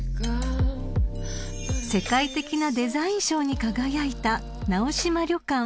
［世界的なデザイン賞に輝いた］